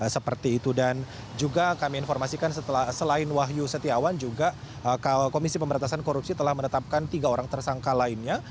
seperti itu dan juga kami informasikan selain wahyu setiawan juga komisi pemberantasan korupsi telah menetapkan tiga orang tersangka lainnya